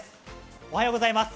おはようございます。